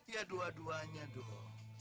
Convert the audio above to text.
ya dua duanya dodo